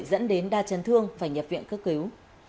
dẫn đến đa chân thương và nhập viện cước cứu